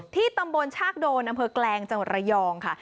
ที่ตำบลชากโดนอกลางจังหวัดระยองค่ะ